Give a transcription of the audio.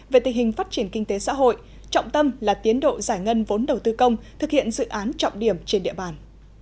về tình hình phát triển kinh tế xã hội trọng tâm là tiến độ giải ngân vốn đầu tư công thực hiện dự án trọng điểm trên địa bàn